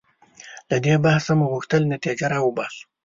له دې بحثه مو غوښتل نتیجه راوباسو.